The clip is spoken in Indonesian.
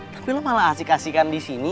tapi lo malah asik asikan disini